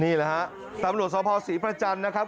นี่แหละฮะตำรวจสภศรีประจันทร์นะครับ